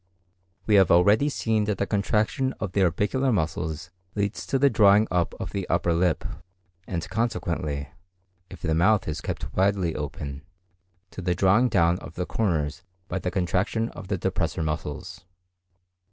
We have already seen that the contraction of the orbicular muscles leads to the drawing up of the upper lip, and consequently, if the mouth is kept widely open, to the drawing down of the corners by the contraction of the depressor muscles.